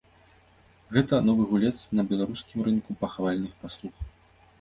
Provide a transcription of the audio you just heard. Гэта новы гулец на беларускім рынку пахавальных паслуг.